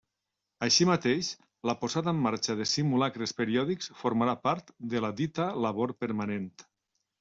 Així mateix, la posada en marxa de simulacres periòdics formarà part de la dita labor permanent.